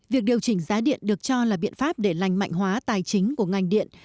việc điều chỉnh giá điện được cho là biện pháp để lành mạnh hóa tài chính của ngành điện